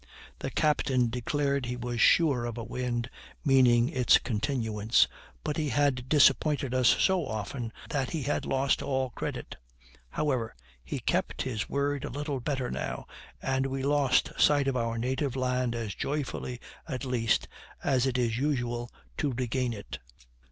The captain declared he was sure of a wind, meaning its continuance; but he had disappointed us so often that he had lost all credit. However, he kept his word a little better now, and we lost sight of our native land as joyfully, at least, as it is usual to regain it.